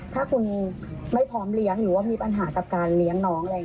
ถ้าคุณไม่พร้อมเลี้ยงหรือว่ามีปัญหากับการเลี้ยงน้อง